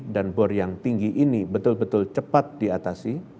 dan bor yang tinggi ini betul betul cepat diatasi